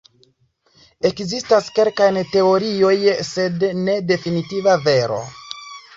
Ekzistas kelkaj teorioj, sed ne definitiva vero.